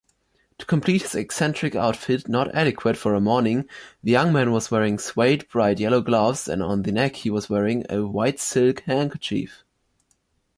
To complete his eccentric outfit not adequate for a morning, the young man was wearing suede bright yellow gloves and on the neck he was wearing a white silk handkerchief.